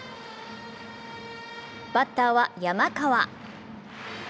バッターは山川。